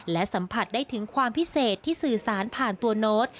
และสัมผัสได้ถึงความพิเศษที่สื่อสารผ่านตัวโน้ต